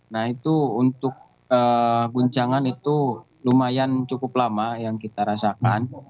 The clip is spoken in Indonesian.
nah itu untuk guncangan itu lumayan cukup lama yang kita rasakan